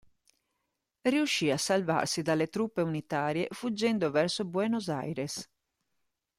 Riuscì a salvarsi dalle truppe unitarie fuggendo verso Buenos Aires.